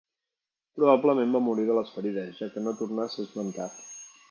Probablement va morir de les ferides, ja que no torna a ser esmentat.